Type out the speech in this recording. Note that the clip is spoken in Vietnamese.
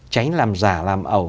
tránh làm giả làm ẩu